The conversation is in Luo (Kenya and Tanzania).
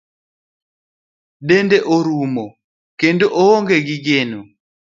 Dende orumo, kendo oonge gi geno.